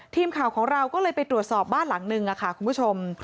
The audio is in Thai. ทีมข่าวของเราก็เลยไปตรวจสอบบ้านหลังนึงค่ะคุณผู้ชม